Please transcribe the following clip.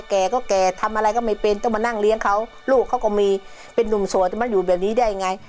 แก่ก็แก่ทำอะไรก็ไม่เป็นต้องมานั่งเลี้ยงเขาลูกเขาก็มีเป็นนุ่มโสดจะมาอยู่แบบนี้ได้ไง